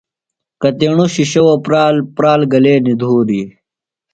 کتِیݨوۡ شِشوؤ پرال، پرال گلینیۡ دُھوری